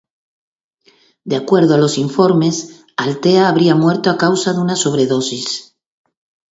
De acuerdo a los informes, Althea habría muerto a causa de una sobredosis.